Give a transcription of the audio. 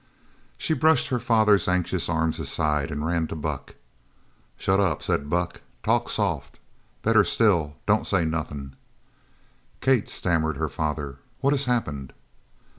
She brushed her father's anxious arms aside and ran to Buck. "Shut up!" said Buck. "Talk soft. Better still, don't say nothin'!" "Kate," stammered her father, "what has happened?"